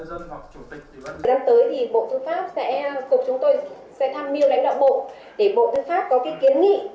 giờ tới thì bộ tư pháp sẽ cục chúng tôi sẽ tham miêu lãnh đạo bộ để bộ tư pháp có cái kiến nghị